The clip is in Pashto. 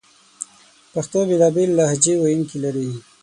پښتو بېلابېل لهجې ویونکې لري